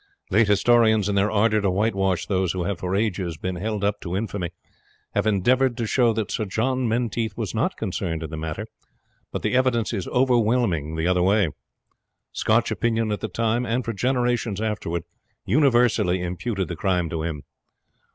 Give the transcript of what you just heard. Late historians, in their ardour to whitewash those who have for ages been held up to infamy, have endeavoured to show that Sir John Menteith was not concerned in the matter; but the evidence is overwhelming the other way. Scotch opinion at the time, and for generations afterwards, universally imputed the crime to him.